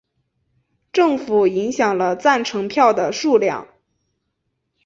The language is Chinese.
政府影响了赞成票的数量。